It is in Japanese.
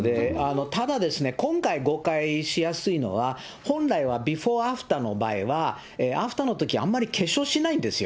ただですね、今回、誤解しやすいのは、本来はビフォー・アフターの場合は、アフターのとき、あんまり化粧しないんですよ。